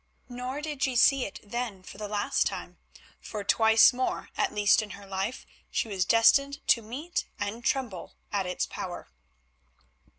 Nor did she see it then for the last time, for twice more at least in her life she was destined to meet and tremble at its power.